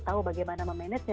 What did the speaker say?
tahu bagaimana memanagenya